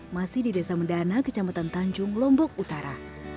masih di desa mendana kecamatan tanjung lombok utara